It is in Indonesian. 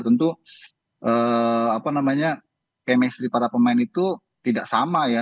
tentu chemistry para pemain itu tidak sama ya